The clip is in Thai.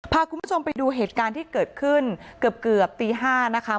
พาคุณผู้ชมไปดูเหตุการณ์ที่เกิดขึ้นเกือบตี๕นะคะ